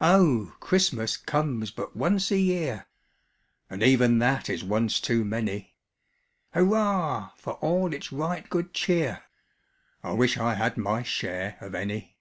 O, CHRISTMAS comes but once a year! (And even that is once too many;) Hurrah for all its right good cheer! (_I wish I had my share of any!